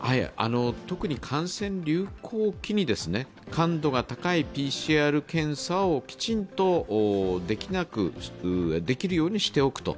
特に感染流行期に感度が高いＰＣＲ検査をきちんとできるようにしておくと。